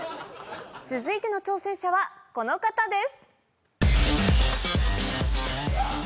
続いての挑戦者はこの方です。